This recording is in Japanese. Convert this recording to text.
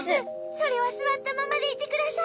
それはすわったままでいてください。